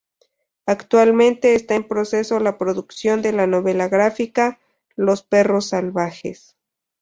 Actualmente, está en proceso de producción de la novela gráfica "Los Perros Salvajes"